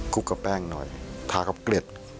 ลุกกับแป้งหน่อยทากับเกล็ด